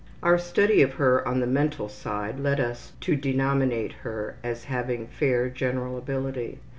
Our study of her on the mental side led us to denominate her as having fair general ability.